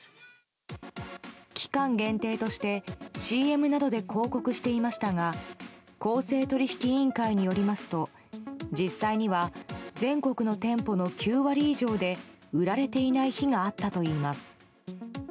期間限定としてＣＭなどで広告していましたが公正取引委員会によりますと実際には全国の店舗の９割以上で売られていない日があったといいます。